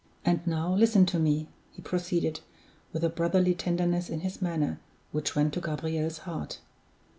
And now listen to me," he proceeded, with a brotherly tenderness in his manner which went to Gabriel's heart.